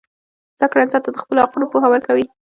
زدهکړه انسان ته د خپلو حقونو پوهه ورکوي.